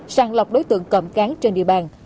sàng lọc đối tượng cầm cán trên địa bàn